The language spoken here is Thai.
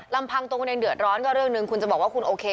ลำพังตัวของกูตังคือเดือดร้อนแม้คุณจะบอกว่าคุณโอเค